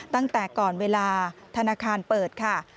ตั้งแต่ก่อนเวลาธนาคารเปิดค่ะ